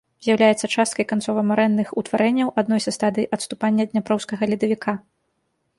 З'яўляецца часткай канцова-марэнных утварэнняў адной са стадый адступання дняпроўскага ледавіка.